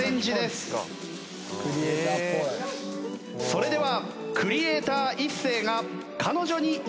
それではクリエーター一世が彼女にひと言。